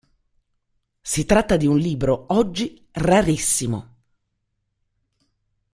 Si tratta di un libro oggi rarissimo.